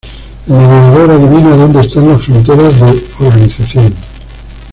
El navegador adivina donde están las fronteras de organización.